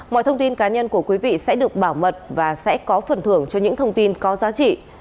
mọi thông tin cá nhân của quý vị sẽ được bảo mật và sẽ có phần thưởng cho những thông tin có giá trị